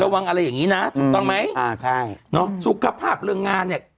ระวังอะไรอย่างงี้นะถูกต้องไหมอ่าใช่เนอะสุขภาพเรื่องงานเนี้ย